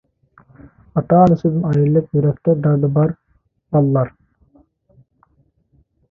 ئاتا-ئانىسىدىن ئايرىلىپ، يۈرەكتە دەردى بار باللار.